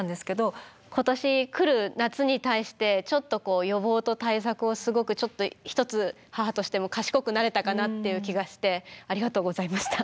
今年来る夏に対してちょっと予防と対策をすごくちょっと一つ母としても賢くなれたかなっていう気がしてありがとうございました。